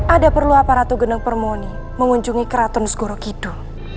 ada perlu apa ratu geneng permoni mengunjungi keraton segorowkidu